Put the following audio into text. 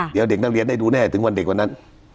เดี๋ยวเด็กนักเรียนได้ดูแน่ถึงวันเด็กวันนั้น